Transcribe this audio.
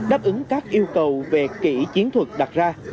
đáp ứng các yêu cầu về kỹ chiến thuật đặt ra